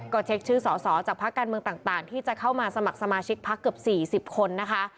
ก็เช็คชื่อสอสอจากภาคการเมืองต่างที่จะเข้ามาสมัครสมาชิกพักเกือบ๔๐คนนะคะ